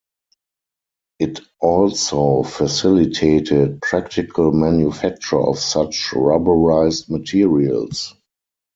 It also facilitated practical manufacture of such rubberized materials.